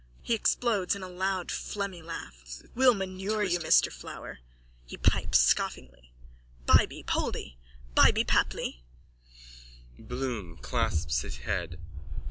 (He explodes in a loud phlegmy laugh.) We'll manure you, Mr Flower! (He pipes scoffingly.) Byby, Poldy! Byby, Papli! BLOOM: _(Clasps his head.)